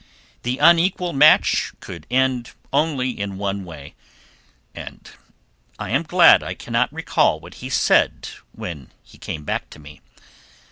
The unequal match could end only in one way, and I am glad I cannot recall what he said when he came back to me.